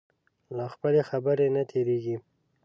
له خپلې خبرې نه تېرېږي.